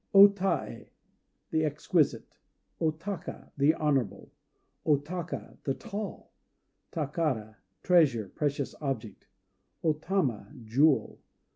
O Taë "The Exquisite." O Taka "The Honorable." O Taka "The Tall." Takara "Treasure," precious object. O Tama "Jewel."